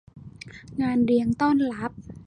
งานเลี้ยงต้อนรับ